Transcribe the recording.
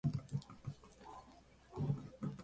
北海道剣淵町